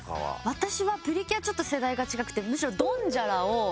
私は『プリキュア』ちょっと世代が違くてむしろ『ドンジャラ』を。